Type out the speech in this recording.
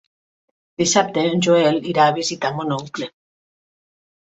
Dissabte en Joel irà a visitar mon oncle.